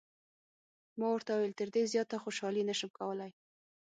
ما ورته وویل: تر دې زیاته خوشحالي نه شم کولای.